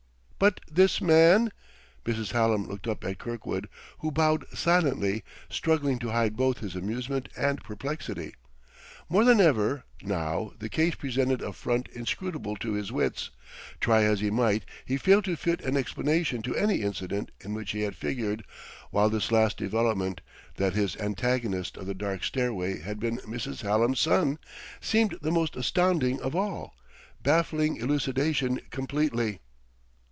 "But this man ?" Mrs. Hallam looked up at Kirkwood, who bowed silently, struggling to hide both his amusement and perplexity. More than ever, now, the case presented a front inscrutable to his wits; try as he might, he failed to fit an explanation to any incident in which he had figured, while this last development that his antagonist of the dark stairway had been Mrs. Hallam's son! seemed the most astounding of all, baffling elucidation completely.